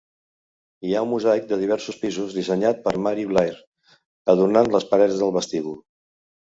Hi ha un mosaic de diversos pisos dissenyat per Mary Blair adornant les parets del vestíbul.